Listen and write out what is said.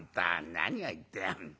何を言ってやんだ。